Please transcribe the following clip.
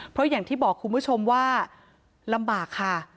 เพราะอย่างที่บอกคุณผู้ชมว่าลำบากค่ะ